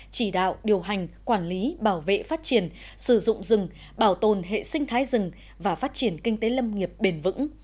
chỉ đạo điều hành quản lý bảo vệ phát triển sử dụng rừng bảo tồn hệ sinh thái rừng và phát triển kinh tế lâm nghiệp bền vững